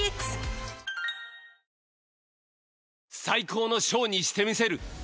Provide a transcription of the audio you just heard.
「最高のショーにしてみせる。